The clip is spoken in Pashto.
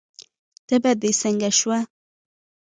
تبه دې څنګه شوه؟